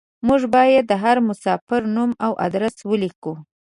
موږ بايد د هر مساپر نوم او ادرس وليکو.